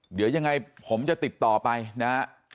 เดี๋ยวยังไงผมจะติดต่อไปนะฮะ